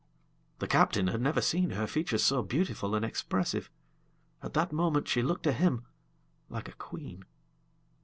The captain had never seen her features so beautiful and expressive; at that moment she looked to him like a queen.